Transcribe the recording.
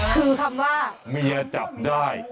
คือคำว่าเมียจับได้